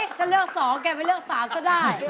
ฉันเลือก๒แกไปเลือก๓ก็ได้